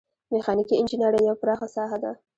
میخانیکي انجنیری یوه پراخه ساحه ده.